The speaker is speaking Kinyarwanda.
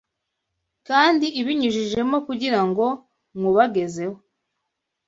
kandi ibinyujijemo kugira ngo nywubagezeho